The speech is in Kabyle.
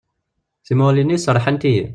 Timuɣliwin-is rḥant-iyi.